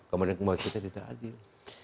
kemudian kemudian kita tidak adil